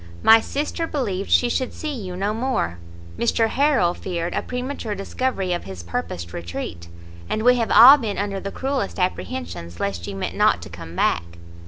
My sister believed she should see you no more, Mr Harrel feared a premature discovery of his purposed retreat, and we have all been under the cruellest apprehensions lest you meant not to come back."